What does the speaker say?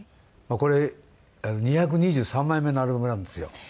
これ２２３枚目のアルバムなんですよ。